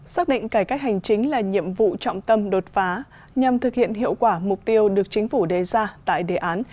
xác định cải cách hành chính là nhiệm vụ trọng tâm đột phá nhằm thực hiện hiệu quả mục tiêu được chính phủ đề ra tại đề án